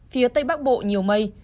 phía tây bắc bộ nhiều mây